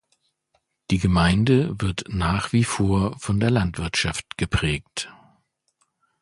Die Gemeinde wird nach wie vor von der Landwirtschaft geprägt.